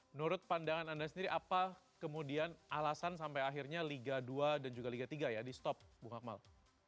menurut pandangan anda sendiri apa kemudian alasan sampai akhirnya liga dua dan juga liga tiga ya di stop bung akmal